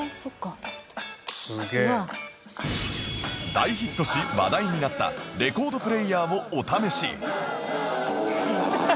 大ヒットし話題になったレコードプレーヤーをお試し